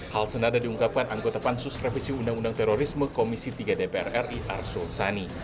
hal senada diungkapkan anggota pansus revisi undang undang terorisme komisi tiga dpr ri arsul sani